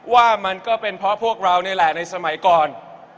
ว่ามันก็เป็นเพราะพวกเรานี่แหละในสมัยก่อน